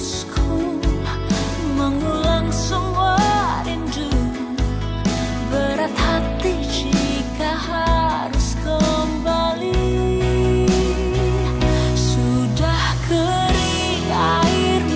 sampai jumpa lagi